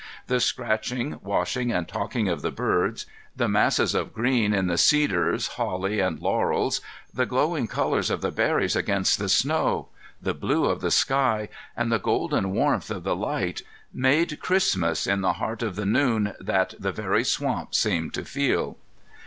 The scratching, washing, and talking of the birds; the masses of green in the cedars, holly, and laurels; the glowing colors of the berries against the snow; the blue of the sky, and the golden warmth of the light made Christmas in the heart of the noon that the very swamp seemed to feel.